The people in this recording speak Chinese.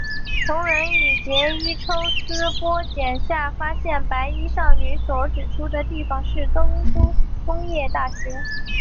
桐人与结依抽丝剥茧下发现白衣少女所指出的地方是东都工业大学。